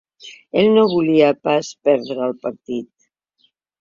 Ell no volia pas perdre el partit.